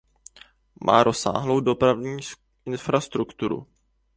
Má rozsáhlou dopravní infrastrukturu.